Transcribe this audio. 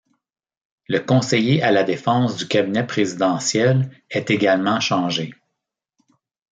Le conseiller à la défense du cabinet présidentiel est également changé.